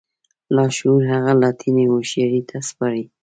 لاشعور هغه لايتناهي هوښياري ته سپاري.